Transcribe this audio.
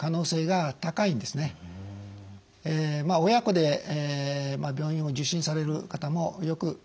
親子で病院を受診される方もよくあります。